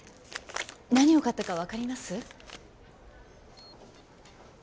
何を買ったか分かります？